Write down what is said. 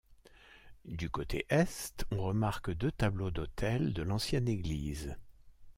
Du côté est, on remarque deux tableaux d'autel de l'ancienne église.